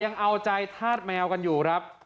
ยังเอาใจธาตุแมวกันอยู่ครับ